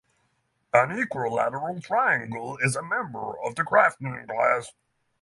An Equilateral Triangle is a member of the craftsman class.